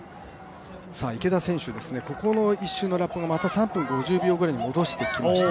池田選手、ここの１周のラップを３分５０秒ぐらいに戻してきました。